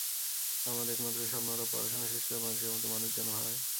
আমার একমাত্র স্বপ্ন ওরা পড়াশোনা শেষ করে মানুষের মতো মানুষ যেন হয়।